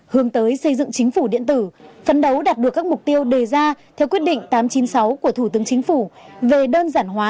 hướng tới xây dựng chính phủ điện tử phấn đấu đạt được các mục tiêu đề ra theo quyết định tám trăm chín mươi sáu của thủ tướng chính phủ về đơn giản hóa